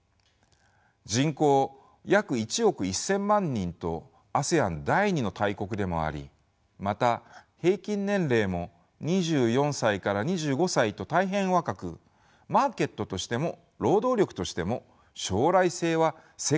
人口約１億１，０００万人とＡＳＥＡＮ第二の大国でもありまた平均年齢も２４歳から２５歳と大変若くマーケットとしても労働力としても将来性は世界有数です。